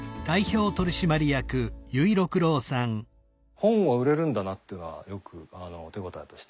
本は売れるんだなっていうのはよく手応えとして。